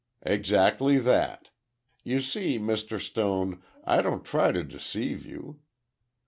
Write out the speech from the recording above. "Exactly that. You see, Mr. Stone, I don't try to deceive you.